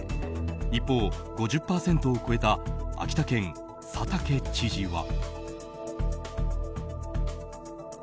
一方、５０％を超えた秋田県、佐竹知事は。